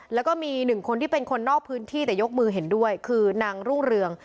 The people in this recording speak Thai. แล้วก็มีหนึ่งคนที่เป็นคนนอกพื้นที่แต่ยกมือเห็นด้วยคือนางรุ่งเรือง